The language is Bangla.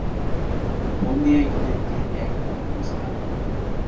হলদিয়ায় নদীর তীর এক মনোরম স্থান।